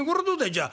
じゃあ。